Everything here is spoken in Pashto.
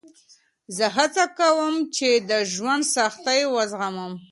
زه هڅه کوم چې د ژوند سختۍ وزغمه.